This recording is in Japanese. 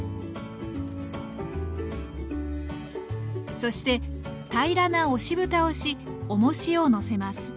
そして平らな押しぶたをしおもしをのせます。